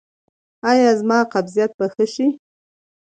ایا زما قبضیت به ښه شي؟